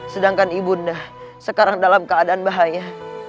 sedangkan ibu undamu sekarang dalam keadaan bahaya